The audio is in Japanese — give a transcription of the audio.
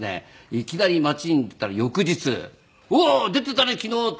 いきなり街に出たら翌日「おお出ていたね昨日」って言われて。